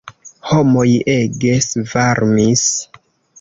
Homoj ege svarmis.